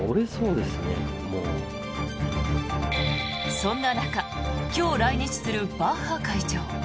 そんな中、今日来日するバッハ会長。